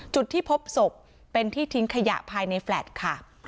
จุดที่พบศพเป็นที่ทิ้งขยะภายในแฟลต์ค่ะ